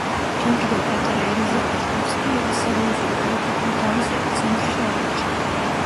ჯერ კიდევ პატარა ელიზაბეთ ავსტრიელი სერიოზული პოლიტიკური დავის ეპიცენტრში აღმოჩნდა.